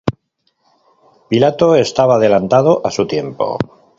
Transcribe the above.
Pilato estaba adelantado a su tiempo.